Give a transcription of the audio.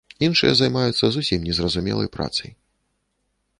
Іншыя займаюцца зусім незразумелай працай.